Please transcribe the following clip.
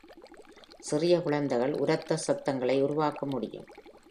சிறிய குழந்தைகள் உரத்த சத்தங்களை உருவாக்க முடியும்.